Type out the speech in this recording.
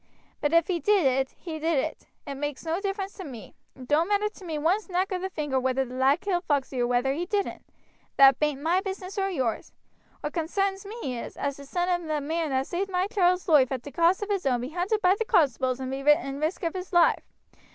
But if he did it, he did it; it makes no difference to me. It doan't matter to me one snap ov the finger whether the lad killed Foxey or whether he didn't that bain't my business or yours. What consarns me is, as the son of the man as saved my child's loife at t' cost of his own be hunted by the constables and be in risk of his loife.